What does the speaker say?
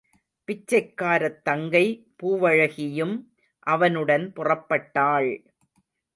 பிச்சைக்காரத் தங்கை பூவழகியும் அவனுடன் புறப்பட்டாள்!